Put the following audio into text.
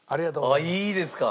いいですか？